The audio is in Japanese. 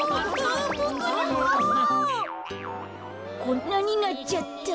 こんなになっちゃった。